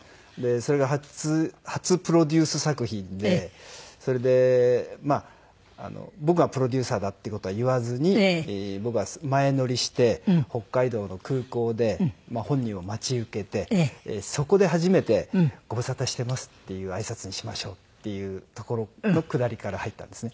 それが初初プロデュース作品でそれで僕がプロデューサーだっていう事は言わずに僕は前乗りして北海道の空港で本人を待ち受けてそこで初めて「ご無沙汰してます」っていうあいさつにしましょうっていう所のくだりから入ったんですね。